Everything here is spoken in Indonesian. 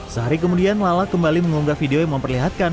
sehari kemudian lala kembali mengunggah video yang memperlihatkan